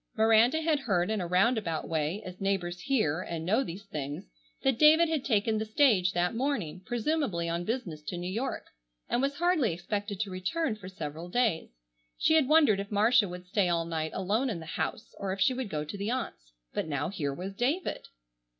Miranda had heard in a round about way, as neighbors hear and know these things, that David had taken the stage that morning, presumably on business to New York, and was hardly expected to return for several days. She had wondered if Marcia would stay all night alone in the house or if she would go to the aunts. But now here was David!